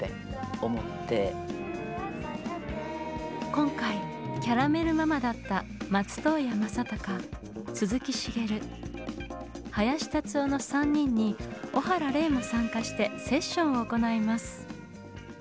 今回キャラメル・ママだった松任谷正隆鈴木茂林立夫の３人に小原礼も参加してセッションを行います。